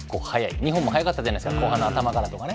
日本も早かったじゃないですか後半の頭とかね。